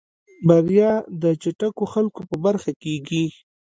بريا د چټکو خلکو په برخه کېږي.